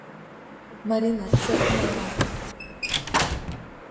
Маринат чот мала.